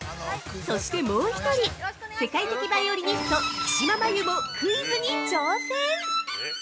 ◆そして、もう一人世界的バイオリニスト木嶋真優もクイズに挑戦！